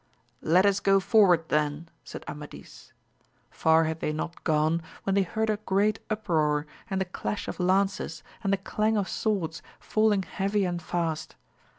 Let us go forward then! said Amadis. Far had they not gone when they heard a great uproar and the clash of lances and the clang of swords falling heavy and fast.